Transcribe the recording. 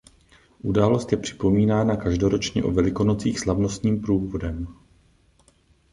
Událost je připomínána každoročně o Velikonocích slavnostním průvodem.